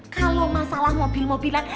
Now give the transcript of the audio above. kalau masalah mobil mobilan